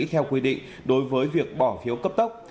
theo quy định đối với việc bỏ phiếu cấp tốc